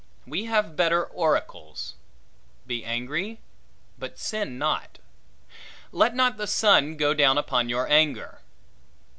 We have better oracles: Be angry, but sin not. Let not the sun go down upon your anger.